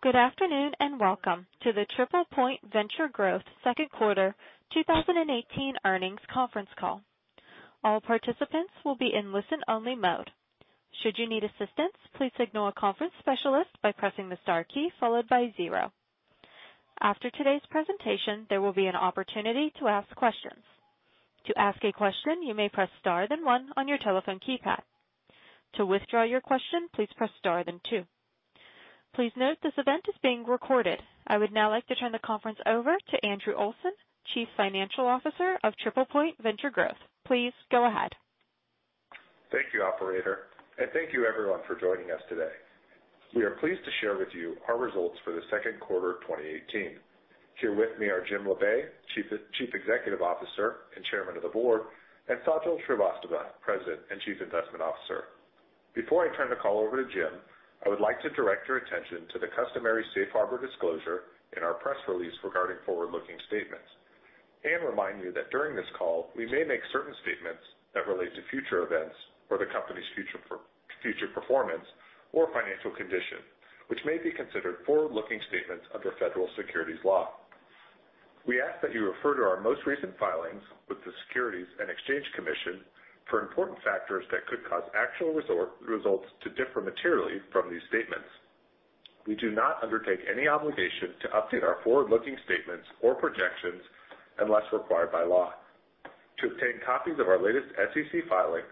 Good afternoon, and welcome to the TriplePoint Venture Growth second quarter 2018 earnings conference call. All participants will be in listen-only mode. Should you need assistance, please signal a conference specialist by pressing the star followed by 0. After today's presentation, there will be an opportunity to ask questions. To ask a question, you may press star, then 1 on your telephone keypad. To withdraw your question, please press star, then 2. Please note this event is being recorded. I would now like to turn the conference over to Andrew Olson, Chief Financial Officer of TriplePoint Venture Growth. Please go ahead. Thank you, operator, and thank you, everyone, for joining us today. We are pleased to share with you our results for the second quarter of 2018. Here with me are Jim Labe, Chief Executive Officer and Chairman of the Board, and Sajal Srivastava, President and Chief Investment Officer. Before I turn the call over to Jim, I would like to direct your attention to the customary safe harbor disclosure in our press release regarding forward-looking statements and remind you that during this call, we may make certain statements that relate to future events or the company's future performance or financial condition, which may be considered forward-looking statements under federal securities law. We ask that you refer to our most recent filings with the Securities and Exchange Commission for important factors that could cause actual results to differ materially from these statements. We do not undertake any obligation to update our forward-looking statements or projections unless required by law. To obtain copies of our latest SEC filing,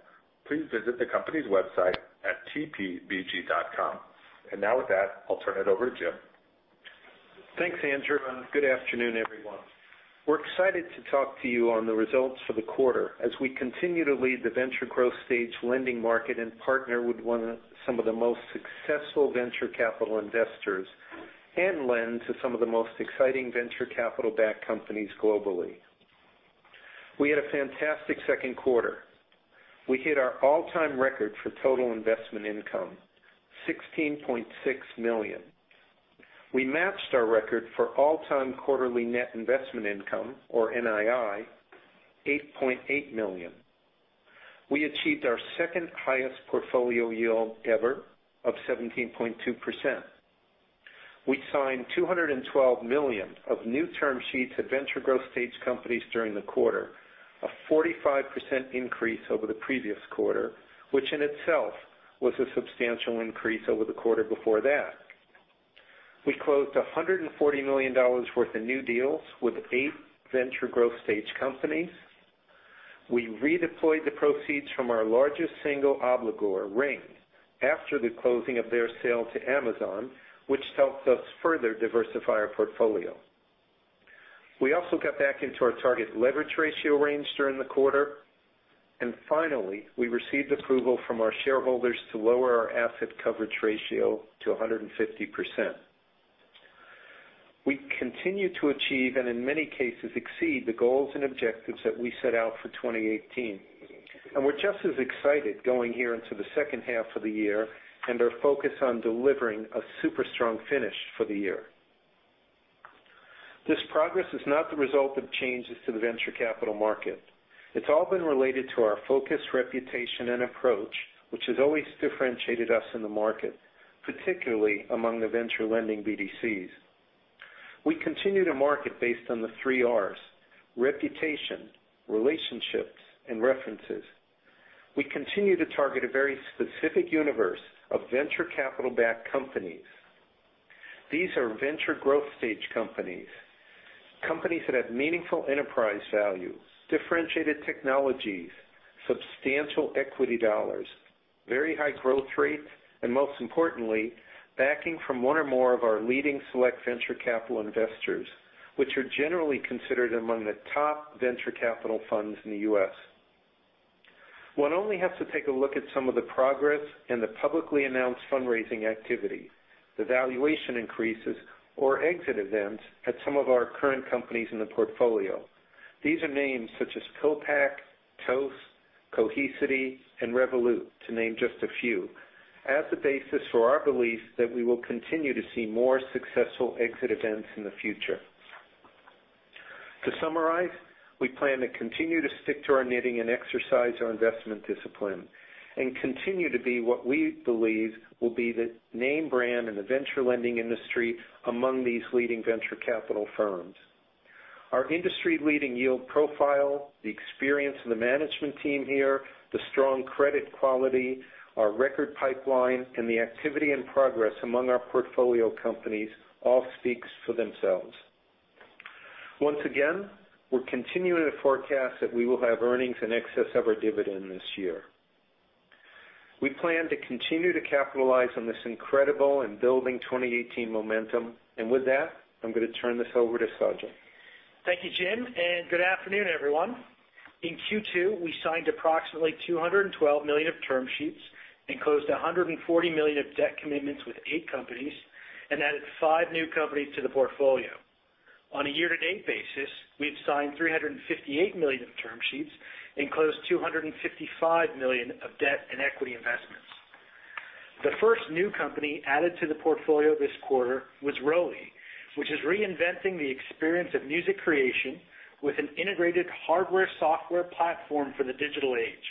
please visit the company's website at tpvg.com. Now with that, I'll turn it over to Jim. Thanks, Andrew, and good afternoon, everyone. We're excited to talk to you on the results for the quarter as we continue to lead the venture growth stage lending market and partner with some of the most successful venture capital investors and lend to some of the most exciting venture capital-backed companies globally. We had a fantastic second quarter. We hit our all-time record for total investment income, $16.6 million. We matched our record for all-time quarterly net investment income, or NII, $8.8 million. We achieved our second highest portfolio yield ever of 17.2%. We signed $212 million of new term sheets at venture growth stage companies during the quarter, a 45% increase over the previous quarter, which in itself was a substantial increase over the quarter before that. We closed $140 million worth of new deals with eight venture growth stage companies. We redeployed the proceeds from our largest single obligor, Ring, after the closing of their sale to Amazon, which helped us further diversify our portfolio. We also got back into our target leverage ratio range during the quarter. Finally, we received approval from our shareholders to lower our asset coverage ratio to 150%. We continue to achieve, and in many cases, exceed the goals and objectives that we set out for 2018. We're just as excited going here into the second half of the year and are focused on delivering a super strong finish for the year. This progress is not the result of changes to the venture capital market. It's all been related to our focus, reputation, and approach, which has always differentiated us in the market, particularly among the venture lending BDCs. We continue to market based on the three Rs, reputation, relationships, and references. We continue to target a very specific universe of venture capital-backed companies. These are venture growth stage companies that have meaningful enterprise value, differentiated technologies, substantial equity dollars, very high growth rates, and most importantly, backing from one or more of our leading select venture capital investors, which are generally considered among the top venture capital funds in the U.S. One only has to take a look at some of the progress and the publicly announced fundraising activity, the valuation increases, or exit events at some of our current companies in the portfolio. These are names such as, [inaudible] Toast, Cohesity, and Revolut, to name just a few, as the basis for our belief that we will continue to see more successful exit events in the future. To summarize, we plan to continue to stick to our knitting and exercise our investment discipline and continue to be what we believe will be the name brand in the venture lending industry among these leading venture capital firms. Our industry-leading yield profile, the experience of the management team here, the strong credit quality, our record pipeline, and the activity and progress among our portfolio companies all speaks for themselves. Once again, we're continuing to forecast that we will have earnings in excess of our dividend this year. We plan to continue to capitalize on this incredible and building 2018 momentum. With that, I'm going to turn this over to Sajal. Thank you, Jim. Good afternoon, everyone. In Q2, we signed approximately $212 million of term sheets and closed $140 million of debt commitments with eight companies and added five new companies to the portfolio. On a year-to-date basis, we've signed $358 million of term sheets and closed $255 million of debt and equity investments. The first new company added to the portfolio this quarter was Roli, which is reinventing the experience of music creation with an integrated hardware software platform for the digital age.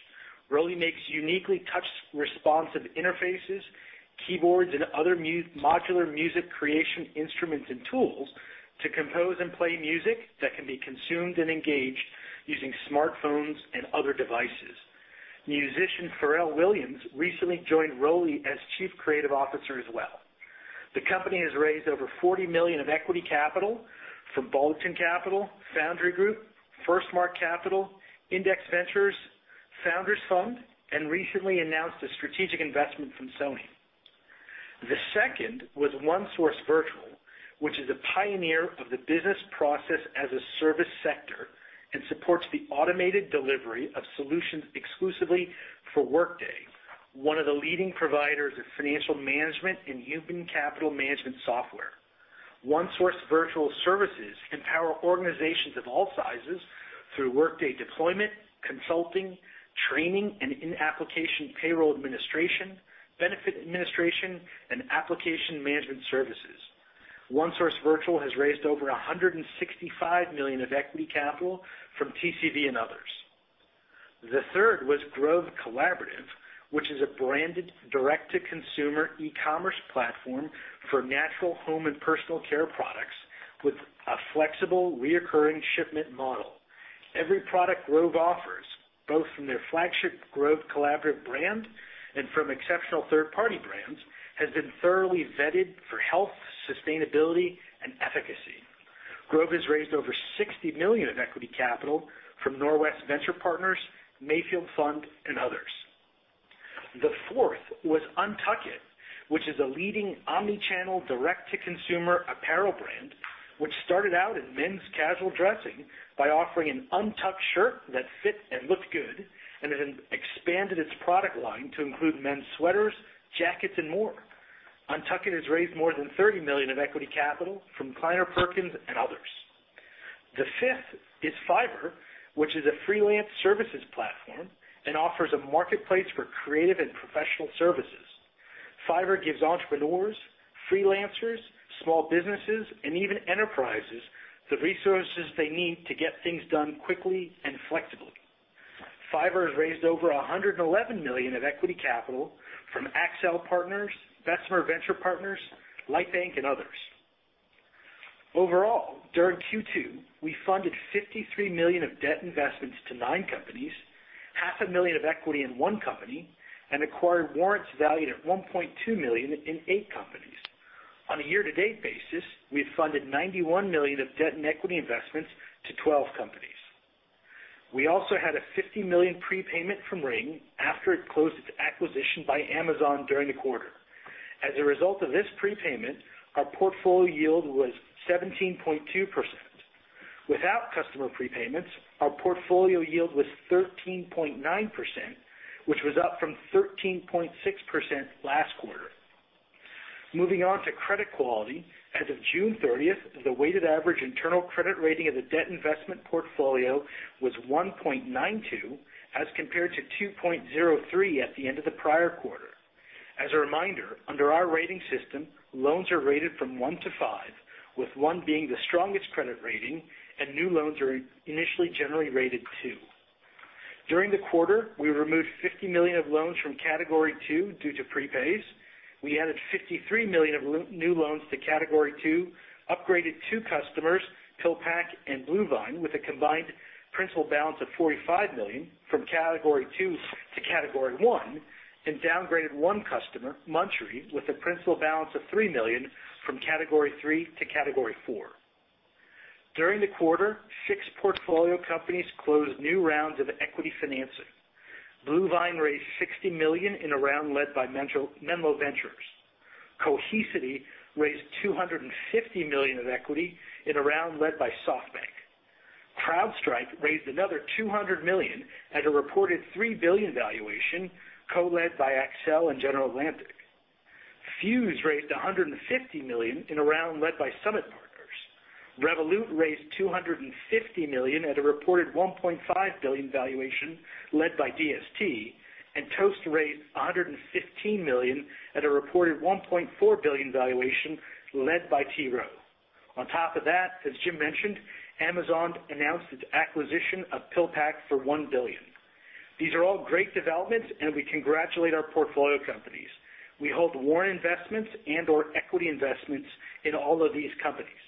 Roli makes uniquely touch responsive interfaces, keyboards, and other modular music creation instruments and tools to compose and play music that can be consumed and engaged using smartphones and other devices. Musician Pharrell Williams recently joined Roli as Chief Creative Officer as well. The company has raised over $40 million of equity capital from Balderton Capital, Foundry Group, FirstMark Capital, Index Ventures, Founders Fund, and recently announced a strategic investment from Sony. The second was OneSource Virtual, which is a pioneer of the business process as a service sector and supports the automated delivery of solutions exclusively for Workday, one of the leading providers of financial management and human capital management software. OneSource Virtual services empower organizations of all sizes through Workday deployment, consulting, training, and in-application payroll administration, benefit administration, and application management services. OneSource Virtual has raised over $165 million of equity capital from TCV and others. The third was Grove Collaborative, which is a branded direct-to-consumer e-commerce platform for natural home and personal care products with a flexible recurring shipment model. Every product Grove offers, both from their flagship Grove Collaborative brand and from exceptional third-party brands, has been thoroughly vetted for health, sustainability, and efficacy. Grove has raised over $60 million of equity capital from Norwest Venture Partners, Mayfield Fund, and others. The fourth was Untuckit, which is a leading omni-channel direct-to-consumer apparel brand, which started out in men's casual dressing by offering an untucked shirt that fit and looked good, and it expanded its product line to include men's sweaters, jackets, and more. Untuckit has raised more than $30 million of equity capital from Kleiner Perkins and others. The fifth is Fiverr, which is a freelance services platform and offers a marketplace for creative and professional services. Fiverr gives entrepreneurs, freelancers, small businesses, and even enterprises the resources they need to get things done quickly and flexibly. Fiverr has raised over $111 million of equity capital from Accel, Bessemer Venture Partners, Lightbank, and others. Overall, during Q2, we funded $53 million of debt investments to nine companies, half a million of equity in one company, and acquired warrants valued at $1.2 million in eight companies. On a year-to-date basis, we have funded $91 million of debt and equity investments to 12 companies. We also had a $50 million prepayment from Ring after it closed its acquisition by Amazon during the quarter. As a result of this prepayment, our portfolio yield was 17.2%. Without customer prepayments, our portfolio yield was 13.9%, which was up from 13.6% last quarter. Moving on to credit quality. As of June 30th, the weighted average internal credit rating of the debt investment portfolio was 1.92 as compared to 2.03 at the end of the prior quarter. As a reminder, under our rating system, loans are rated from one to five, with one being the strongest credit rating and new loans are initially generally rated 2. During the quarter, we removed $50 million of loans from category 2 due to prepays. We added $53 million of new loans to category 2, upgraded two customers, PillPack and BlueVine, with a combined principal balance of $45 million from category 2 to category 1, and downgraded one customer, Munchery, with a principal balance of $3 million from category 3 to category 4. During the quarter, six portfolio companies closed new rounds of equity financing. BlueVine raised $60 million in a round led by Menlo Ventures. Cohesity raised $250 million of equity in a round led by SoftBank. CrowdStrike raised another $200 million at a reported $3 billion valuation co-led by Accel and General Atlantic. Fuze raised $150 million in a round led by Summit Partners. Revolut raised $250 million at a reported $1.5 billion valuation led by DST. Toast raised $115 million at a reported $1.4 billion valuation led by T. Rowe. On top of that, as Jim mentioned, Amazon announced its acquisition of PillPack for $1 billion. These are all great developments, and we congratulate our portfolio companies. We hold warrant investments and/or equity investments in all of these companies.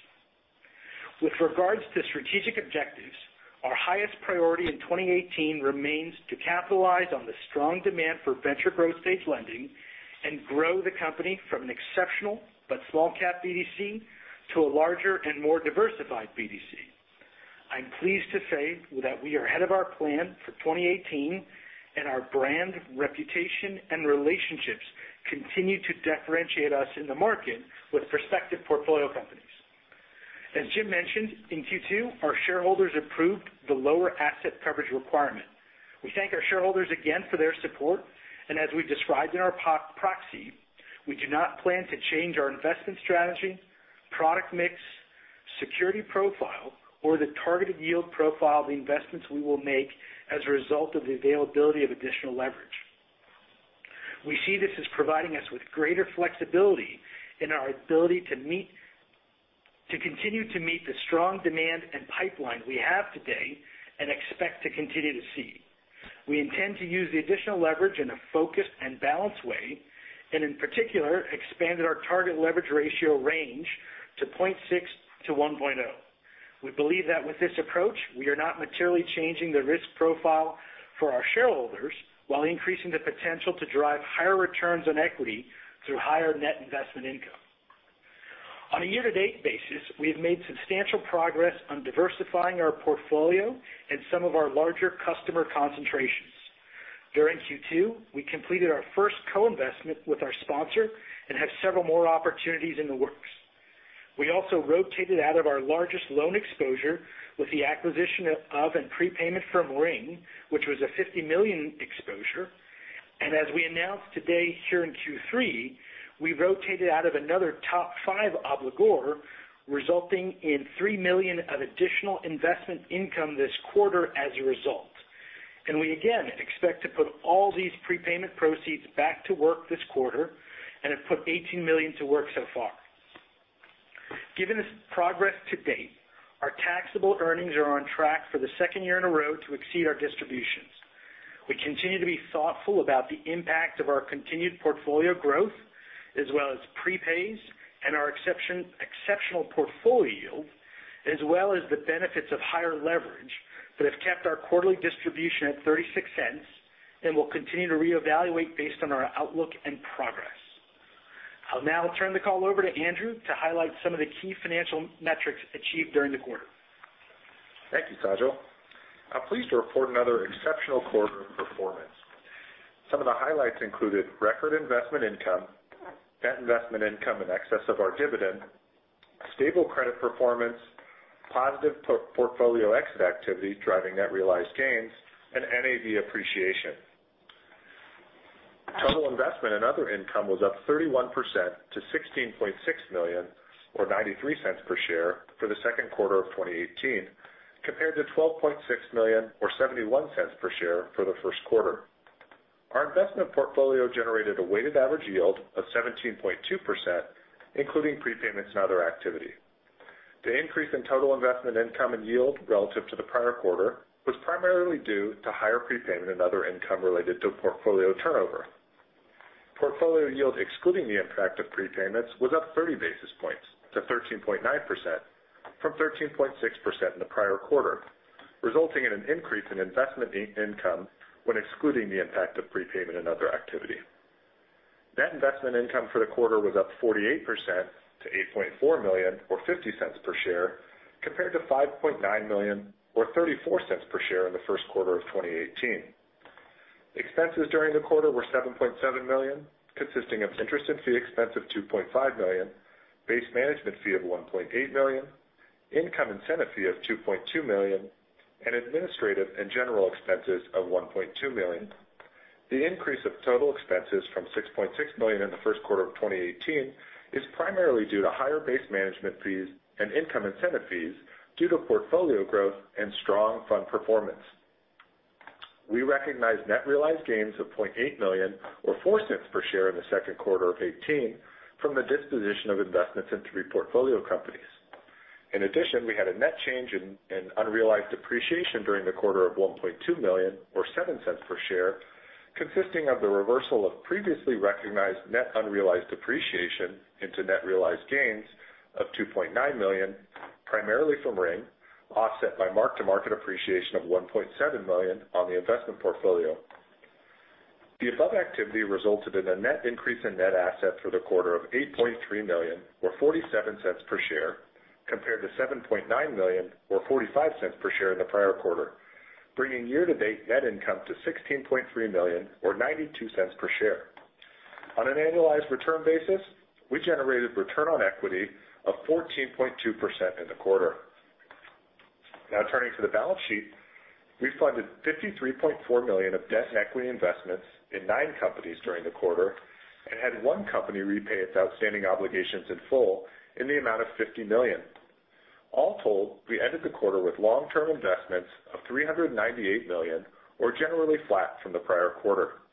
With regards to strategic objectives, our highest priority in 2018 remains to capitalize on the strong demand for venture growth stage lending and grow the company from an exceptional but small cap BDC to a larger and more diversified BDC. I'm pleased to say that we are ahead of our plan for 2018, and our brand, reputation, and relationships continue to differentiate us in the market with prospective portfolio companies. As Jim mentioned, in Q2, our shareholders approved the lower asset coverage requirement. We thank our shareholders again for their support, as we described in our proxy, we do not plan to change our investment strategy, product mix, security profile, or the targeted yield profile of the investments we will make as a result of the availability of additional leverage. We see this as providing us with greater flexibility in our ability to continue to meet the strong demand and pipeline we have today and expect to continue to see. We intend to use the additional leverage in a focused and balanced way, in particular, expanded our target leverage ratio range to 0.6 to 1.0. We believe that with this approach, we are not materially changing the risk profile for our shareholders while increasing the potential to drive higher returns on equity through higher net investment income. On a year-to-date basis, we have made substantial progress on diversifying our portfolio and some of our larger customer concentrations. During Q2, we completed our first co-investment with our sponsor and have several more opportunities in the works. We also rotated out of our largest loan exposure with the acquisition of and prepayment from Ring, which was a $50 million exposure. As we announced today, here in Q3, we rotated out of another top 5 obligor, resulting in $3 million of additional investment income this quarter as a result. We again expect to put all these prepayment proceeds back to work this quarter and have put $18 million to work so far. Given this progress to date, our taxable earnings are on track for the second year in a row to exceed our distributions. We continue to be thoughtful about the impact of our continued portfolio growth, as well as prepays and our exceptional portfolio yield, as well as the benefits of higher leverage that have kept our quarterly distribution at $0.36 and will continue to reevaluate based on our outlook and progress. I'll now turn the call over to Andrew to highlight some of the key financial metrics achieved during the quarter. Thank you, Sajal. I'm pleased to report another exceptional quarter of performance. Some of the highlights included record investment income, net investment income in excess of our dividend, stable credit performance, positive portfolio exit activity driving net realized gains, and NAV appreciation. Total investment and other income was up 31% to $16.6 million or $0.93 per share for the second quarter of 2018, compared to $12.6 million or $0.71 per share for the first quarter. Our investment portfolio generated a weighted average yield of 17.2%, including prepayments and other activity. The increase in total investment income and yield relative to the prior quarter was primarily due to higher prepayment and other income related to portfolio turnover. Portfolio yield excluding the impact of prepayments was up 30 basis points to 13.9% from 13.6% in the prior quarter, resulting in an increase in investment income when excluding the impact of prepayment and other activity. Net investment income for the quarter was up 48% to $8.4 million or $0.50 per share, compared to $5.9 million or $0.34 per share in the first quarter of 2018. Expenses during the quarter were $7.7 million, consisting of interest and fee expense of $2.5 million, base management fee of $1.8 million, income incentive fee of $2.2 million, and administrative and general expenses of $1.2 million. The increase of total expenses from $6.6 million in the first quarter of 2018 is primarily due to higher base management fees and income incentive fees due to portfolio growth and strong fund performance. We recognized net realized gains of $0.8 million or $0.04 per share in the second quarter of 2018 from the disposition of investments in three portfolio companies. In addition, we had a net change in unrealized appreciation during the quarter of $1.2 million or $0.07 per share, consisting of the reversal of previously recognized net unrealized appreciation into net realized gains of $2.9 million, primarily from Ring, offset by mark-to-market appreciation of $1.7 million on the investment portfolio. The above activity resulted in a net increase in net assets for the quarter of $8.3 million or $0.47 per share, compared to $7.9 million or $0.45 per share in the prior quarter, bringing year-to-date net income to $16.3 million or $0.92 per share. Turning to the balance sheet. We funded $53.4 million of debt and equity investments in nine companies during the quarter and had one company repay its outstanding obligations in full in the amount of $50 million. All told, we ended the quarter with long-term investments of $398 million or generally flat from the prior quarter.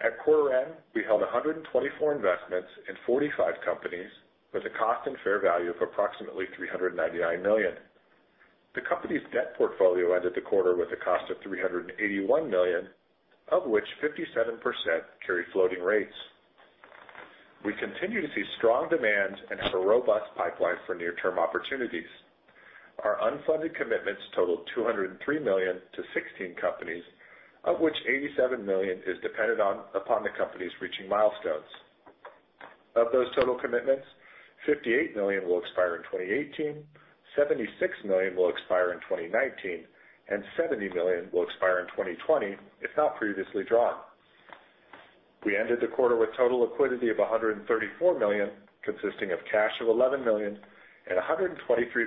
At quarter end, we held 124 investments in 45 companies with a cost and fair value of approximately $399 million. The company's debt portfolio ended the quarter with a cost of $381 million, of which 57% carry floating rates. We continue to see strong demand and have a robust pipeline for near-term opportunities. Our unfunded commitments totaled $203 million to 16 companies, of which $87 million is dependent upon the companies reaching milestones. Of those total commitments, $58 million will expire in 2018, $76 million will expire in 2019, and $70 million will expire in 2020, if not previously drawn. We ended the quarter with total liquidity of $134 million, consisting of cash of $11 million and $123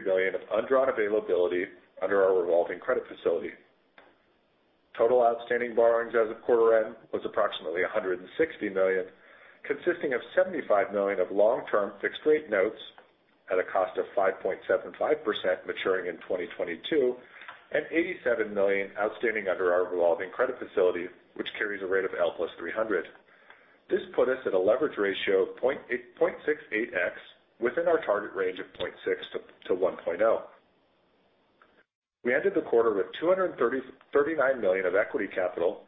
million of undrawn availability under our revolving credit facility. Total outstanding borrowings as of quarter end was approximately $160 million, consisting of $75 million of long-term fixed-rate notes at a cost of 5.75% maturing in 2022, and $87 million outstanding under our revolving credit facility, which carries a rate of L+300. This put us at a leverage ratio of 0.68x within our target range of 0.6-1.0. We ended the quarter with $239 million of equity capital,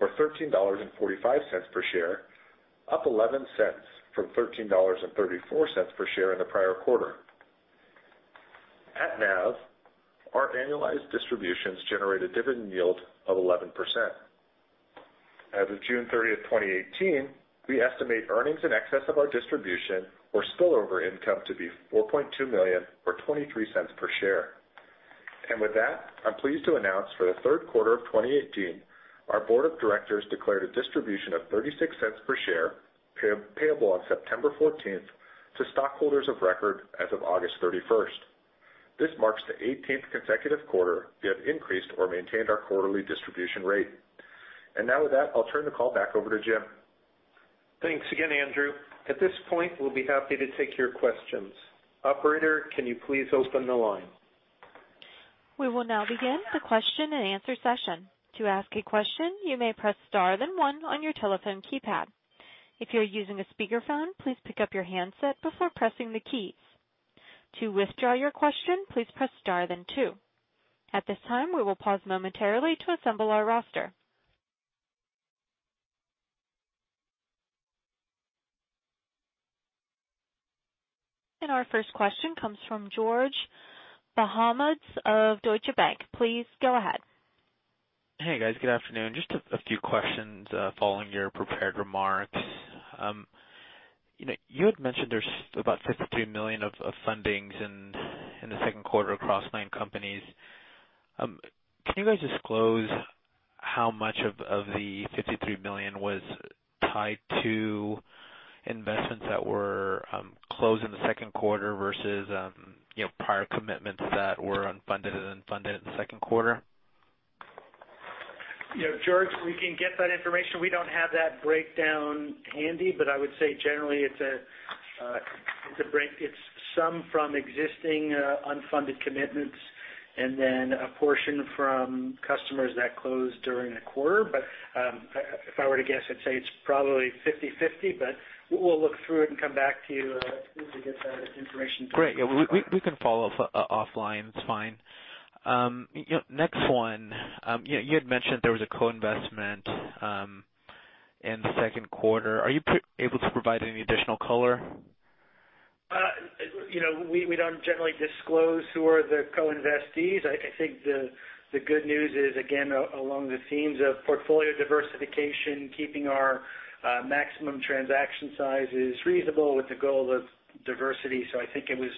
or $13.45 per share, up $0.11 from $13.34 per share in the prior quarter. At NAV, our annualized distributions generate a dividend yield of 11%. As of June 30th, 2018, we estimate earnings in excess of our distribution were still spillover income to be $4.2 million or $0.23 per share. With that, I'm pleased to announce for the third quarter of 2018, our board of directors declared a distribution of $0.36 per share, payable on September 14th to stockholders of record as of August 31st. This marks the 18th consecutive quarter we have increased or maintained our quarterly distribution rate. Now with that, I'll turn the call back over to Jim. Thanks again, Andrew. At this point, we'll be happy to take your questions. Operator, can you please open the line? We will now begin the question and answer session. To ask a question, you may press star then one on your telephone keypad. If you're using a speakerphone, please pick up your handset before pressing the keys. To withdraw your question, please press star then two. At this time, we will pause momentarily to assemble our roster. Our first question comes from George Bahamondes of Deutsche Bank. Please go ahead. Hey, guys. Good afternoon. Just a few questions following your prepared remarks. You had mentioned there's about $53 million of fundings in the second quarter across nine companies. Can you guys disclose how much of the $53 million was tied to investments that were closed in the second quarter versus prior commitments that were unfunded and then funded in the second quarter? George, we can get that information. We don't have that breakdown handy. I would say generally it's some from existing unfunded commitments and then a portion from customers that closed during the quarter. If I were to guess, I'd say it's probably 50/50. We'll look through it and come back to you once we get that information. Great. Yeah. We can follow up offline. It's fine. Next one. You had mentioned there was a co-investment in the second quarter. Are you able to provide any additional color? We don't generally disclose who are the co-investees. I think the good news is, again, along the themes of portfolio diversification, keeping our maximum transaction sizes reasonable with the goal of diversity. I think it was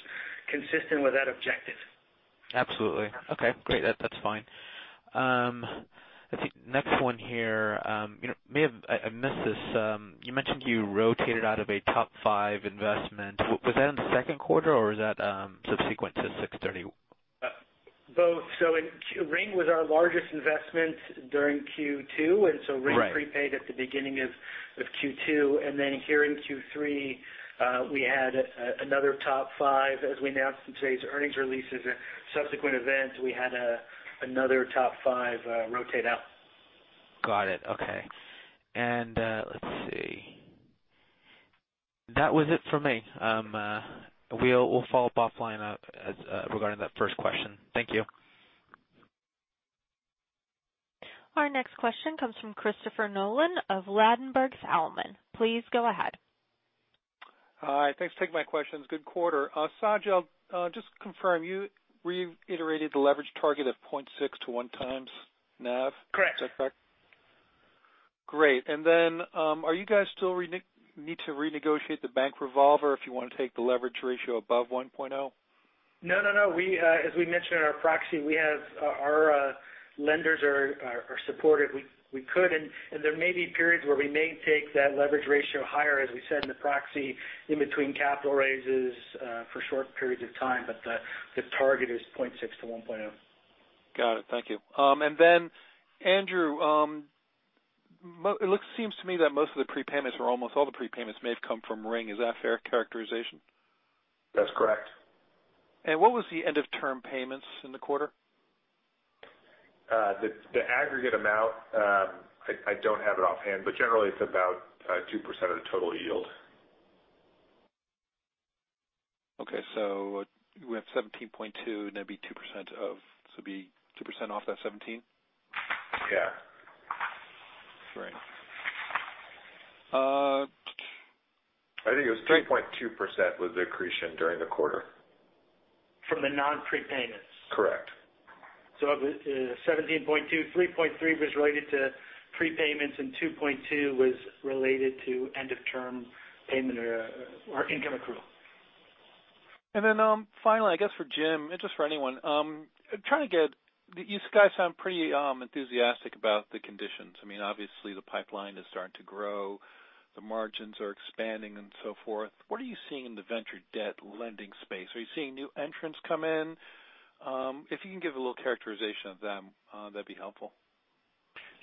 consistent with that objective. Absolutely. Okay, great. That's fine. I think next one here. I missed this. You mentioned you rotated out of a top five investment. Was that in the second quarter, or was that subsequent to 630? Both. Ring was our largest investment during Q2. Right. Ring prepaid at the beginning of Q2. Here in Q3, we had another top five, as we announced in today's earnings releases. In subsequent events, we had another top five rotate out. Got it. Okay. Let's see. That was it for me. We'll follow up offline regarding that first question. Thank you. Our next question comes from Christopher Nolan of Ladenburg Thalmann. Please go ahead. Hi. Thanks for taking my questions. Good quarter. Saj, just to confirm, you reiterated the leverage target of 0.6 to 1 times NAV. Correct. Is that correct? Great. Are you guys still need to renegotiate the bank revolver if you want to take the leverage ratio above 1.0? No. As we mentioned in our proxy, our lenders are supportive. We could. There may be periods where we may take that leverage ratio higher, as we said in the proxy, in between capital raises for short periods of time. The target is 0.6 to 1.0. Got it. Thank you. Andrew, it seems to me that most of the prepayments or almost all the prepayments may have come from Ring. Is that a fair characterization? That's correct. What was the end of term payments in the quarter? The aggregate amount, I don't have it offhand. Generally, it's about 2% of the total yield. Okay. We have 17.2. It would be 2% off that 17? Yeah. Great. I think it was 3.2% was accretion during the quarter. From the non-prepayments. Correct. Of the 17.2, 3.3 was related to prepayments, 2.2 was related to end of term payment or income accrual. Finally, I guess for Jim, just for anyone. You guys sound pretty enthusiastic about the conditions. Obviously, the pipeline is starting to grow. The margins are expanding and so forth. What are you seeing in the venture debt lending space? Are you seeing new entrants come in? If you can give a little characterization of them, that'd be helpful.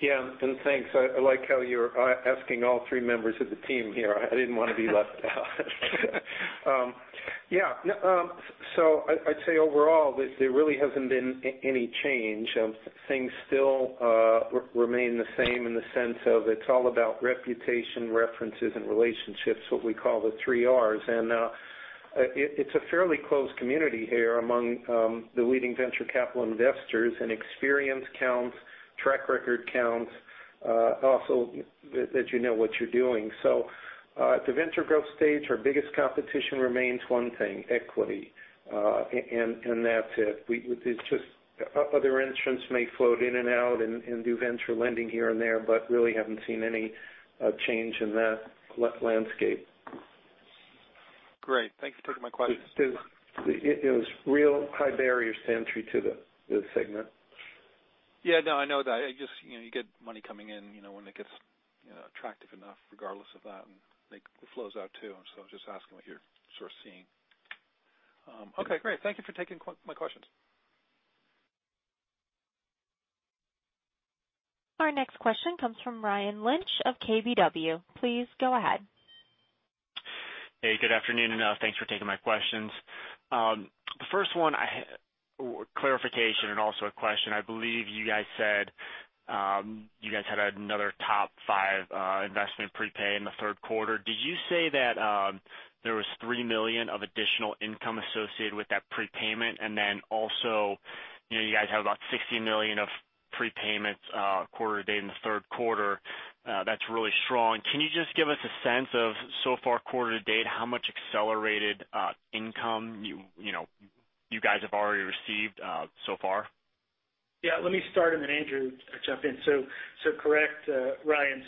Thanks. I like how you're asking all three members of the team here. I didn't want to be left out. I'd say overall, there really hasn't been any change. Things still remain the same in the sense of it's all about reputation, references, and relationships, what we call the three Rs. It's a fairly close community here among the leading venture capital investors, and experience counts, track record counts. Also, that you know what you're doing. At the venture growth stage, our biggest competition remains one thing, equity, and that's it. Other entrants may float in and out and do venture lending here and there, but really haven't seen any change in that landscape. Great. Thanks for taking my questions. There's real high barriers to entry to the segment. Yeah, no, I know that. You get money coming in when it gets attractive enough regardless of that, and it flows out, too. I'm just asking what you're sort of seeing. Okay, great. Thank you for taking my questions. Our next question comes from Ryan Lynch of KBW. Please go ahead. Hey, good afternoon, and thanks for taking my questions. The first one, clarification and also a question. I believe you guys said you guys had another top five investment prepay in the third quarter. Did you say that there was $3 million of additional income associated with that prepayment? Also, you guys have about $60 million of prepayments quarter to date in the third quarter. That's really strong. Can you just give us a sense of, so far quarter to date, how much accelerated income you guys have already received so far? Yeah, let me start and then Andrew jump in. Correct, Ryan.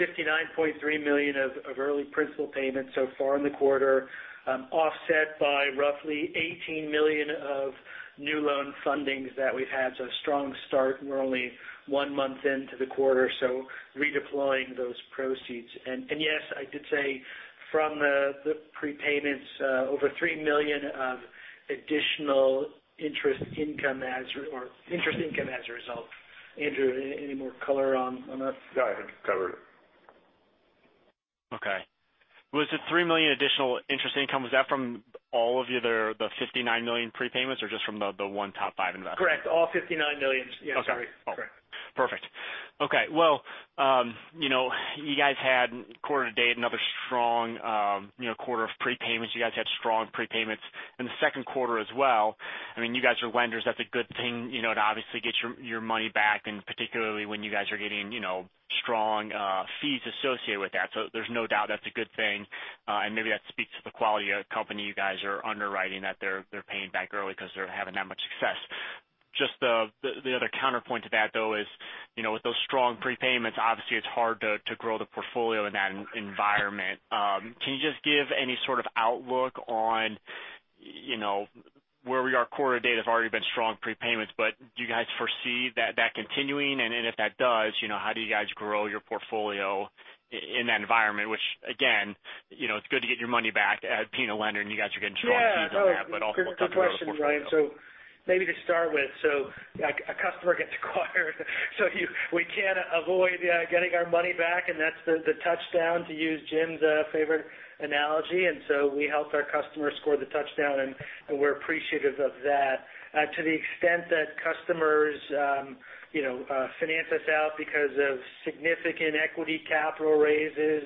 $59.3 million of early principal payments so far in the quarter, offset by roughly $18 million of new loan fundings that we've had. A strong start, and we're only one month into the quarter, so redeploying those proceeds. Yes, I did say from the prepayments, over $3 million of additional interest income as a result. Andrew, any more color on that? No, I think you covered it. Okay. Was the $3 million additional interest income, was that from all of the other $59 million prepayments or just from the one top 5 investment? Correct. All $59 million. Okay. Yeah. Sorry. Correct. Perfect. Okay. Well, you guys had quarter-to-date, another strong quarter of prepayments. You guys had strong prepayments in the second quarter as well. You guys are lenders. That's a good thing. It obviously gets your money back, and particularly when you guys are getting strong fees associated with that. There's no doubt that's a good thing. Maybe that speaks to the quality of company you guys are underwriting, that they're paying back early because they're having that much success. The other counterpoint to that, though, is with those strong prepayments, obviously it's hard to grow the portfolio in that environment. Can you just give any sort of outlook on where we are quarter-to-date? There's already been strong prepayments, but do you guys foresee that continuing? If that does, how do you guys grow your portfolio in that environment? Again, it's good to get your money back being a lender and you guys are getting strong fees on that. Good question, Ryan. Maybe to start with, a customer gets acquired, we can't avoid getting our money back, and that's the touchdown, to use Jim's favorite analogy. We helped our customers score the touchdown, and we're appreciative of that. To the extent that customers finance us out because of significant equity capital raises,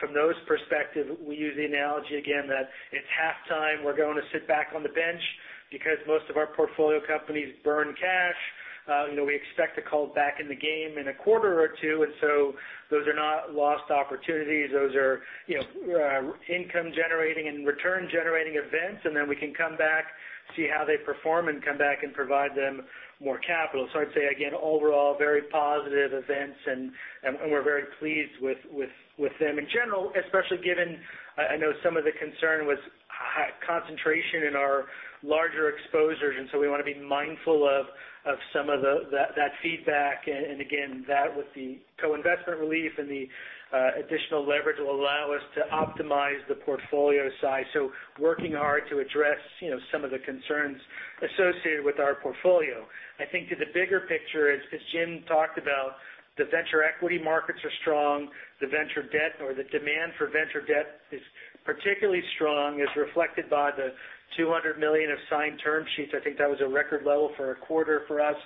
from those perspective, we use the analogy again that it's halftime. We're going back on the bench because most of our portfolio companies burn cash. We expect to call back in the game in a quarter or two. Those are not lost opportunities. Those are income-generating and return-generating events, then we can come back, see how they perform, and come back and provide them more capital. I'd say again, overall, very positive events, we're very pleased with them in general, especially given I know some of the concern was concentration in our larger exposures, we want to be mindful of some of that feedback. Again, that with the co-investment relief and the additional leverage will allow us to optimize the portfolio size. Working hard to address some of the concerns associated with our portfolio. I think to the bigger picture, as Jim talked about, the venture equity markets are strong. The venture debt or the demand for venture debt is particularly strong, as reflected by the $200 million of signed term sheets. I think that was a record level for a quarter for us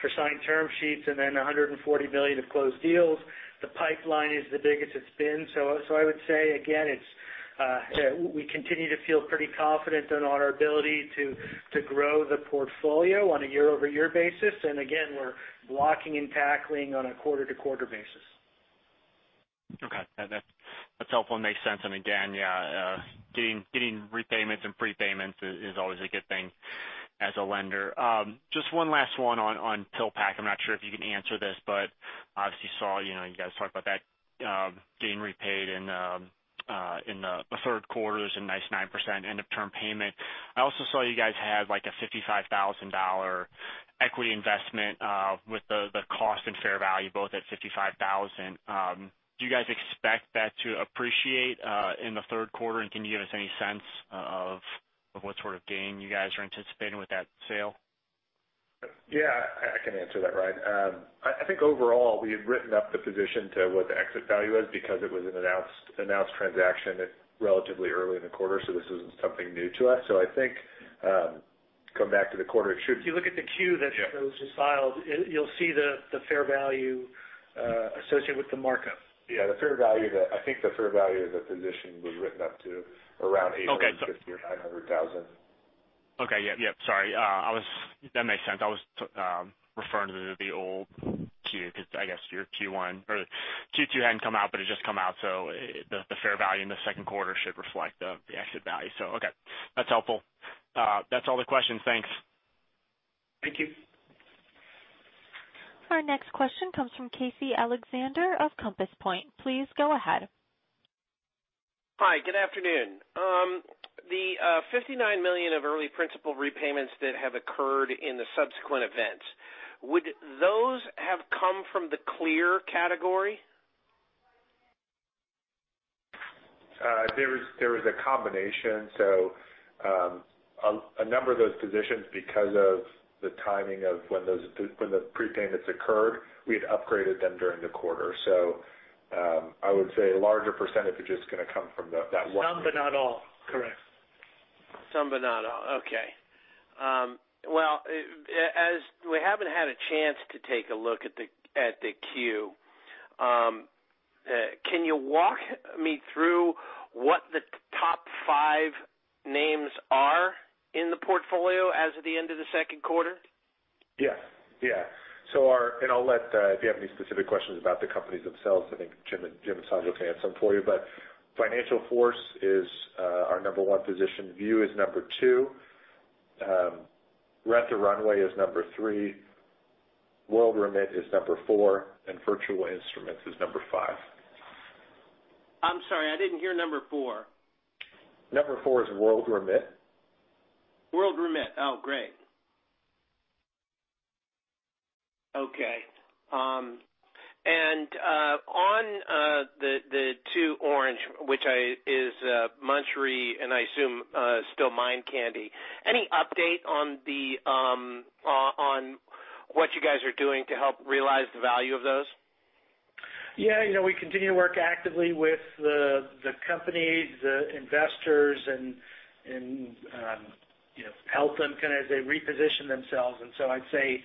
for signed term sheets, then $140 million of closed deals. The pipeline is the biggest it's been. I would say again, we continue to feel pretty confident on our ability to grow the portfolio on a year-over-year basis. Again, we're blocking and tackling on a quarter-to-quarter basis. Okay. That's helpful and makes sense. Again, yeah, getting repayments and prepayments is always a good thing as a lender. Just one last one on PillPack. I'm not sure if you can answer this, but obviously saw you guys talk about that getting repaid in the third quarter. There's a nice 9% end of term payment. I also saw you guys had like a $55,000 equity investment with the cost and fair value both at $55,000. Do you guys expect that to appreciate in the third quarter? Can you give us any sense of what sort of gain you guys are anticipating with that sale? Yeah, I can answer that, Ryan. I think overall, we had written up the position to what the exit value is because it was an announced transaction relatively early in the quarter, so this isn't something new to us. I think, come back to the quarter, it should If you look at the Q that was just filed, you'll see the fair value associated with the markup. Yeah. I think the fair value of the position was written up to around $850,000 or $900,000. Okay. Yep. Sorry. That makes sense. I was referring to the old Q because I guess your Q2 hadn't come out, but it's just come out, so the fair value in the second quarter should reflect the exit value. Okay. That's helpful. That's all the questions. Thanks. Thank you. Our next question comes from Casey Alexander of Compass Point. Please go ahead. Hi, good afternoon. The $59 million of early principal repayments that have occurred in the subsequent events, would those have come from the clear category? There was a combination. A number of those positions, because of the timing of when the prepayments occurred, we'd upgraded them during the quarter. I would say a larger percentage is just going to come from that one. Some, not all. Correct. Some but not all. Okay. As we haven't had a chance to take a look at the Q. Can you walk me through what the top five names are in the portfolio as of the end of the second quarter? Yes. I'll let, if you have any specific questions about the companies themselves, I think Jim and Sajal can answer them for you. FinancialForce is our number 1 position. Vue is number 2. Rent the Runway is number 3. WorldRemit is number 4, and Virtual Instruments is number 5. I'm sorry, I didn't hear number 4. Number 4 is WorldRemit. WorldRemit. Oh, great. Okay. On the two orange, which is Munchery, and I assume still Mind Candy. Any update on what you guys are doing to help realize the value of those? Yeah. We continue to work actively with the companies, the investors, and help them kind of as they reposition themselves. I'd say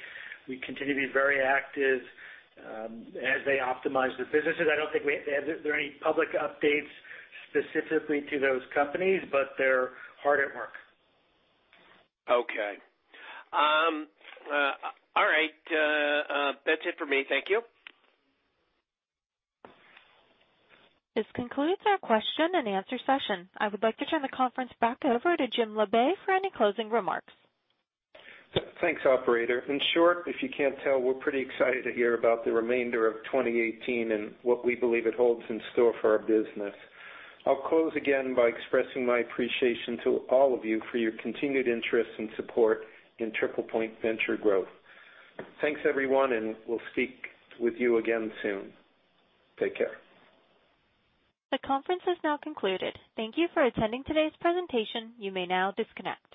we continue to be very active as they optimize their businesses. I don't think there are any public updates specifically to those companies, but they're hard at work. Okay. All right. That's it for me. Thank you. This concludes our question and answer session. I would like to turn the conference back over to Jim Labe for any closing remarks. Thanks, operator. In short, if you can't tell, we're pretty excited to hear about the remainder of 2018 and what we believe it holds in store for our business. I'll close again by expressing my appreciation to all of you for your continued interest and support in TriplePoint Venture Growth. Thanks, everyone, and we'll speak with you again soon. Take care. The conference has now concluded. Thank you for attending today's presentation. You may now disconnect.